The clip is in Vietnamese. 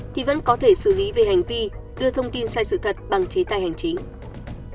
thì vẫn có thể xử lý về hành vi đưa thông tin sai sự thật bằng chế tài hành chính